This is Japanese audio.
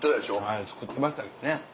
はいつくってましたけどね。